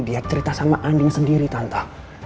dia cerita sama andin sendiri tanpa